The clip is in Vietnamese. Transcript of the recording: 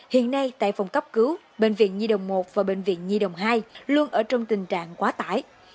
hiện nay tại phòng cấp cứu bệnh viện nhi đồng một và bệnh viện nhi đồng hai luôn ở trong tình trạng quá tải